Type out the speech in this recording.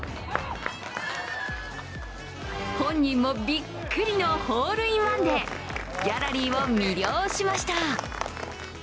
本人もびっくりのホールインワンでギャラリーを魅了しました。